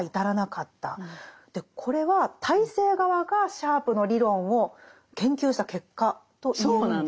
これは体制側がシャープの理論を研究した結果と言えるんですよね。